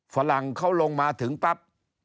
ฝรั่งเขาลงมาถึงปั๊บ